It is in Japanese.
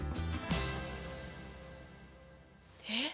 えっ。